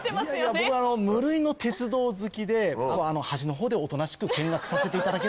僕無類の鉄道好きで端のほうでおとなしく見学させていただければと思って。